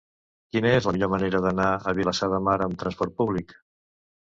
Quina és la millor manera d'anar a Vilassar de Mar amb trasport públic?